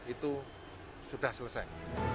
itu sudah selesai